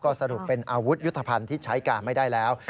สรุปเป็นอาวุธยุทธภัณฑ์ที่ใช้การไม่ได้แล้ว